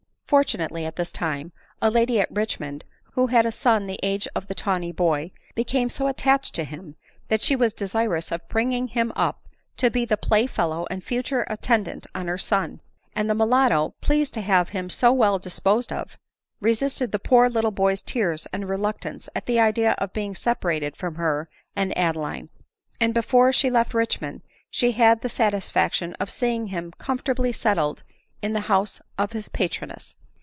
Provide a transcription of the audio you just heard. Fortunately, at this time, a lady at Richmond, who had a son the age of the tawny boy, became so attached to him, that she was desirous of bringing him up to be the play fellow and future attendant on her son; and the mulatto, pleased to have him so well disposed of, resisted ADELINE MOWBRAY. tfff the poor little boy's tears and reluctance at the idea of being separated from her and Adeline ; and before she left Richmond she had the satisfaction of seeing him % comfortably settled in the house of his patroness.